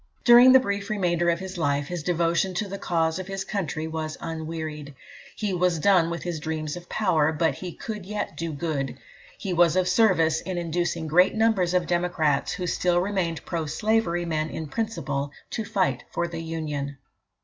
"During the brief remainder of his life, his devotion to the cause of his country was unwearied. He was done with his dreams of power," but he could yet do good. He was of service in inducing great numbers of Democrats, who still remained pro slavery men in principle, to fight for the Union.